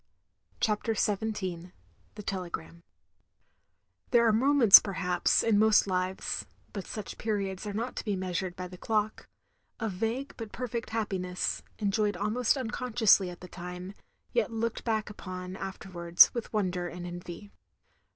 CHAPTER XVII THE TELEGRAM There are moments, perhaps, in most Kves (but such periods are not to be meastired by the clock), of vague but perfect happiness; enjoyed almost unconsciously at the time, yet looked back upon afterwards with wonder and envy.